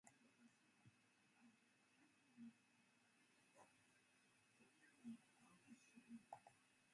仕事の量によって、用件の重要度がきまるのではないのです。そんなことを信じられるなら、あなたはまだまだ役所のことがわかるのにはほど遠いのです。